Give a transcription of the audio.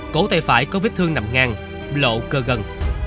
cổ tay phải có vết thương nằm ngang lộ cơ gần